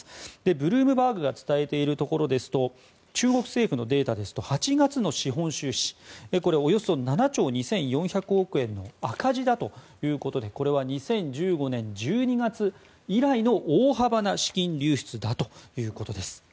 ブルームバーグが伝えているところですと中国政府のデータですと８月の資本収支はおよそ７兆２４００億円の赤字だということでこれは２０１５年１２月以来の大幅な資金流出ということです。